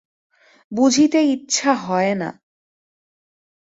বুঝিতে ইচ্ছা হয় না।